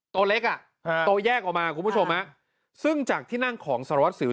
ตัวเล็กอ่ะฮะโตแยกออกมาคุณผู้ชมฮะซึ่งจากที่นั่งของสารวัสสิว